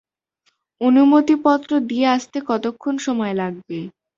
অনুমতি পত্র দিয়ে আসতে কতক্ষণ সময় লাগবে?